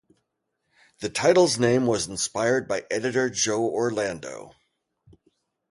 The title's name was inspired by editor Joe Orlando.